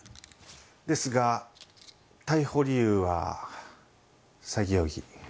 ですが逮捕理由は詐欺容疑。